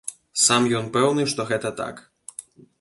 Сам ён пэўны, што гэта так.